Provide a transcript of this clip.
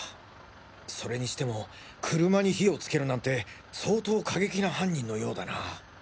それにしても車に火をつけるなんて相当過激な犯人のようだな。